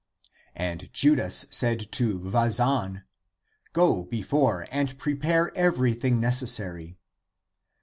And Judas said to Vazan, " Go before and prepare everything necessary."